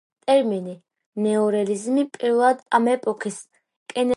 ტერმინი ნეორეალიზმი პირველად ამ ეპოქის კინემატოგრაფიას უკავშირდებოდა.